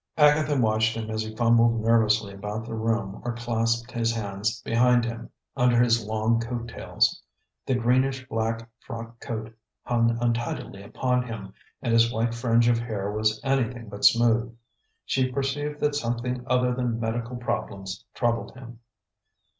Agatha watched him as he fumbled nervously about the room or clasped his hands behind him under his long coat tails. The greenish black frock coat hung untidily upon him, and his white fringe of hair was anything but smooth. She perceived that something other than medical problems troubled him.